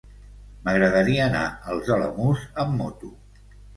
M'agradaria anar als Alamús amb moto.